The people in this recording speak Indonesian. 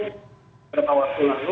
pada waktu lalu